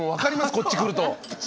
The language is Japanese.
こっち来ると。